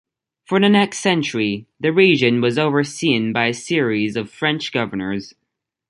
For the next century, the region was overseen by a series of French governors.